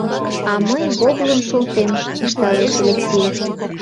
— А мый воблым шолтем, — ышталеш Элексей.